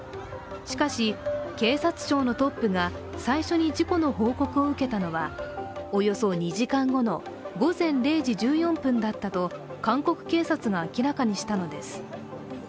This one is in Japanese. しかし警察庁のトップが最初に事故の報告を受けたのはおよそ２時間後の午前０時１４分だったと韓国警察が明らかにしたのです。